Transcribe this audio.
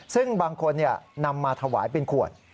ซึ่งบางคนนำมาถวายเป็นขวด